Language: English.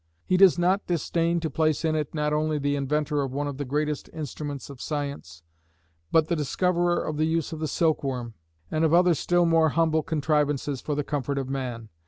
He does not disdain to place in it not only the inventor of one of the greatest instruments of science, but the discoverer of the use of the silkworm, and of other still more humble contrivances for the comfort of man.